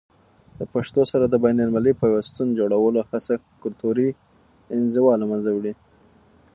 د پښتو سره د بینالمللي پیوستون جوړولو هڅه کلتوري انزوا له منځه وړي.